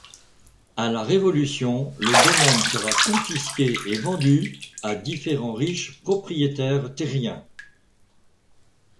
À la Révolution, le domaine sera confisqué et vendu à différents riches propriétaires terriens.